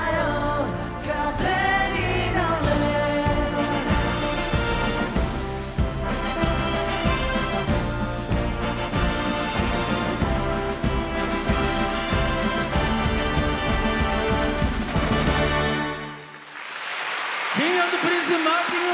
おー ！Ｋｉｎｇ＆Ｐｒｉｎｃｅ マーチング